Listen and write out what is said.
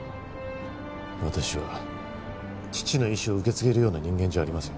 私は父の遺志を受け継げるような人間じゃありません。